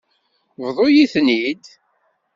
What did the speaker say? Bḍu-yi-ten-id.